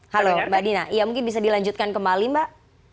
halo mbak dina ya mungkin bisa dilanjutkan kembali mbak